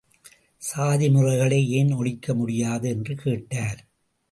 சாதிமுறைகளை ஏன் ஒழிக்க முடியாது என்று கேட்டார்.